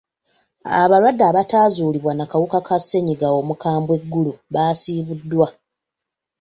Abalwadde abataazuulibwa na kawuka ka ssennyiga omukambwe e Gulu basiibuddwa.